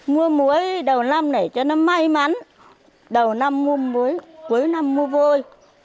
mua muối đầu năm để cho nó may mắn đầu năm mua muối cuối năm mua vôi